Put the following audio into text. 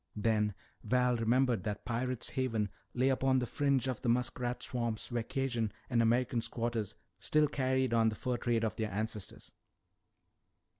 Then Val remembered that Pirate's Haven lay upon the fringe of the muskrat swamps where Cajun and American squatters still carried on the fur trade of their ancestors.